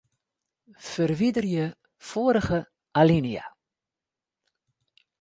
Ferwiderje foarige alinea.